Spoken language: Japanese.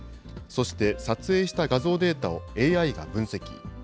そして撮影した画像データをＡＩが分析。